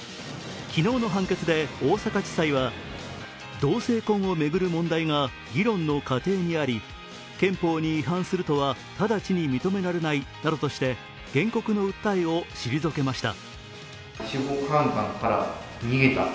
昨日の判決で大阪地裁は同性婚を巡る問題が議論の過程にあり、憲法に違反するとは直ちに認められないなどとして原告の訴えを退けました。